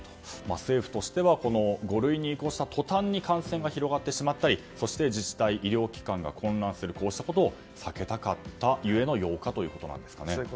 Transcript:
政府としては五類に移行した途端に感染が広がってしまったり自治体、医療機関が混乱するということを避けたかったゆえのそういうことですね。